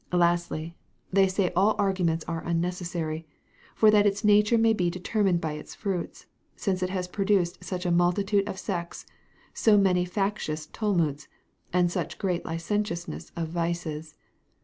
Lastly, they say all arguments are unnecessary; for that its nature may be determined by its fruits, since it has produced such a multitude of sects, so many factious tumults, and such great licentiousness of vices.